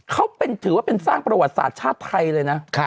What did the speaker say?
เขาถือว่าเป็นสร้างประวัติศาสตร์ชาติไทยเลยนะ